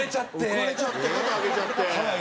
浮かれちゃって肩上げちゃって。